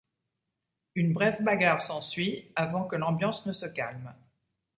Une brève bagarre s'ensuit avant que l'ambiance ne se calme.